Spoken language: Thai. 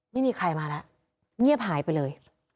ไม่มีใครมาแล้วเงียบหายไปเลย